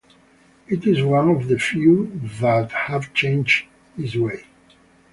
It is one of the few that have changed this way.